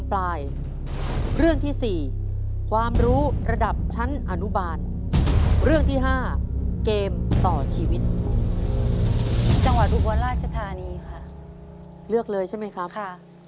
เลือกเลยใช่ไหมครับค่ะ